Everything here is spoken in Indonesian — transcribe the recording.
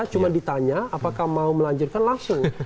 cuma ditanya apakah mau melanjutkan langsung